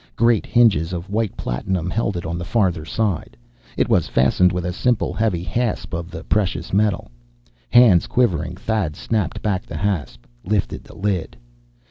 Great hinges of white platinum held it on the farther side; it was fastened with a simple, heavy hasp of the precious metal. Hands quivering, Thad snapped back the hasp, lifted the lid.